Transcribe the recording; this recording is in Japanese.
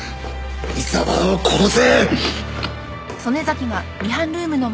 井沢を殺せ。